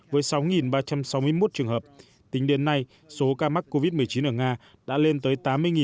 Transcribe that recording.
với sáu ba trăm sáu mươi một trường hợp tính đến nay số ca mắc covid một mươi chín ở nga đã lên tới tám mươi chín trăm bốn mươi chín